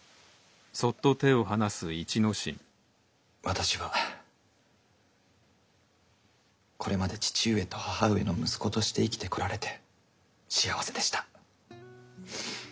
私はこれまで父上と母上の息子として生きてこられて幸せでした。